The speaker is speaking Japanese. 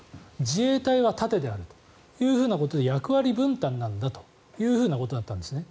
自衛隊は盾であるということで役割分担なんだということだったんですね。